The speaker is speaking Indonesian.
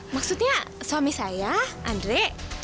maksudnya suami saya andre